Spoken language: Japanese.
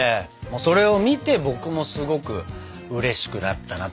それを見て僕もすごくうれしくなったなって感じ。